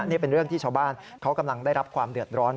นี่เป็นเรื่องที่ชาวบ้านเขากำลังได้รับความเดือดร้อน